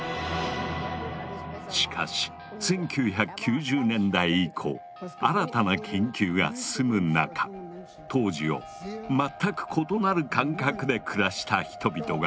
しかし１９９０年代以降新たな研究が進む中当時を全く異なる感覚で暮らした人々が告白し始めた。